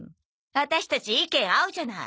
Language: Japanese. ワタシたち意見合うじゃない。